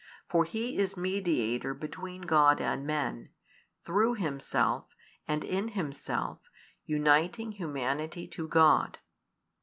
For He is Mediator between God and men, through Himself and in Himself uniting humanity to God.